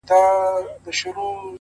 هغه خو زما کره په شپه راغلې نه ده؛